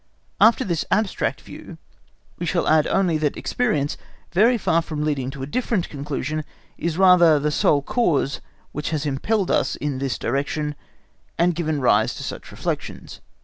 After this abstract view we shall only add that experience, very far from leading to a different conclusion, is rather the sole cause which has impelled us in this direction, and given rise to such reflections.